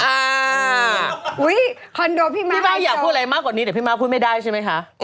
คอนโดพี่มาห้มเงาตรงนี้พี่มาอยากพูดอะไรมากกว่านี้แต่พี่มาพูดไม่ได้ใช่ไหมคะ